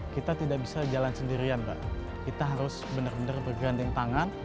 kita tidak bisa jalan sendirian pak kita harus benar benar bergandeng tangan